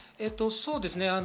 そうですね。